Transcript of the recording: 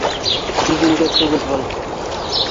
Тигенгә түгел был